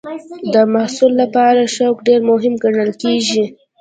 د محصل لپاره شوق ډېر مهم ګڼل کېږي.